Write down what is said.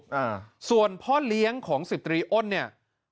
อ่าส่วนพ่อเลี้ยงของสิบตรีอ้นเนี่ย